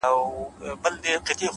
دغه زرين مخ،